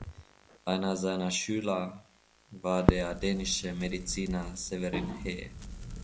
Einer seiner Schüler war der dänische Mediziner Severin Hee.